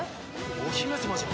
お姫様じゃん。